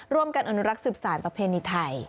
ร่วมกันอนุรักษ์สืบสารประเพณีไทย